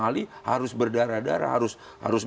ahli harus berdarah darah harus